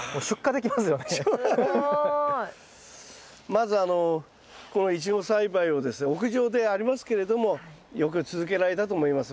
まずこのイチゴ栽培をですね屋上でありますけれどもよく続けられたと思います。